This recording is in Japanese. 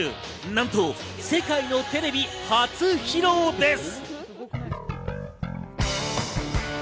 なんと世界のテレビ初披露です。